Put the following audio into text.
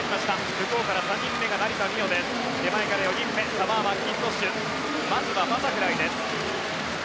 向こうから３人目が成田実生です、手前から４人目サマー・マッキントッシュまずはバタフライです。